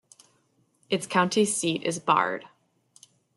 Its county seat is Baird.